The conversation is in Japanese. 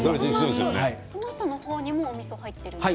トマトにもおみそが入っているんですね。